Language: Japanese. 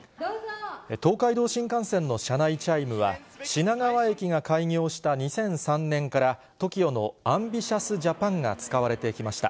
東海道新幹線の車内チャイムは、品川駅が開業した２００３年から、ＴＯＫＩＯのＡＭＢＩＴＩＯＵＳＪＡＰＡＮ！が使われてきました。